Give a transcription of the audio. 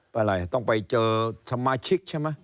อะไรต้องไปเจอสมาชิกใช่ไหม